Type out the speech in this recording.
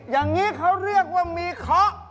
อย่างนี้เขาเรียกว่ามีเคาะ